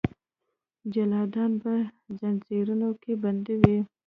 جلادان به ځنځیرونو کې بندي وي.